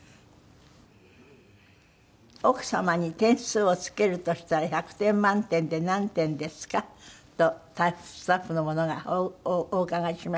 「奥様に点数を付けるとしたら１００点満点で何点ですか？」とスタッフの者がお伺いしました。